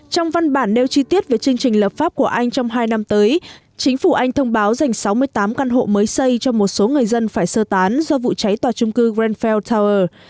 trong văn bản nêu chi tiết về chương trình lập pháp của anh trong hai năm tới chính phủ anh thông báo dành sáu mươi tám căn hộ mới xây cho một số người dân phải sơ tán do vụ cháy tòa trung cư grandfell tower